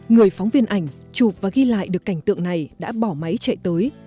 người phóng viên ảnh chụp và ghi lại được cảnh tượng này đã bỏ máy chạy tới